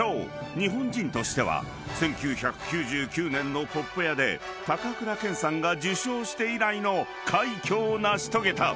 ［日本人としては１９９９年の『鉄道員』で高倉健さんが受賞して以来の快挙を成し遂げた］